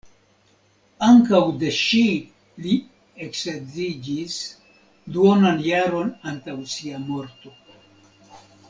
Ankaŭ de ŝi li eksedziĝis duonan jaron antaŭ sia morto.